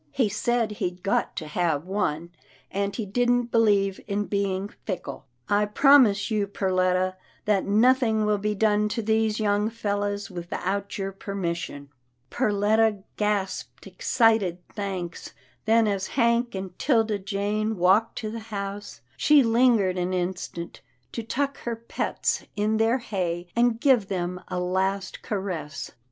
He said he'd got to have one, and he didn't believe in being fickle — PERLETTA'S PETS 229 I promise you Perletta, that nothing will be done to these young fellows without your permission/' Perletta gasped excited thanks, then as Hank and 'Tilda Jane walked to the house, she lingered an instant, to tuck her pets in their hay, and give them a last caress.